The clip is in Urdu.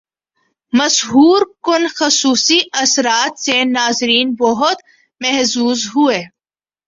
مسحور کن خصوصی اثرات سے ناظرین بہت محظوظ ہوئے